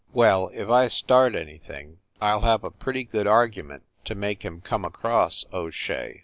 "Well, if I start anything, I ll have a pretty good argument to make him come across, O Shea.